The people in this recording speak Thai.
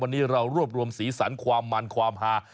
วันนี้เรารวบรวมสีสันความมันความฮา